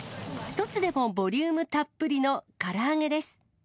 １つでもボリュームたっぷりのから揚げです。